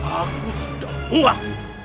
aku sudah buah